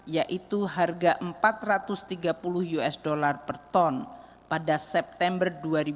yaitu harga empat ratus tiga puluh usd per ton pada september dua ribu dua puluh